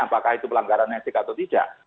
apakah itu pelanggaran etik atau tidak